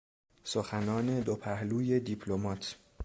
سخنان دوپهلوی دیپلمات